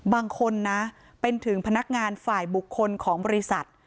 บางคนนะเป็นถึงพนักงานฝ่ายบุคคลของบริษัท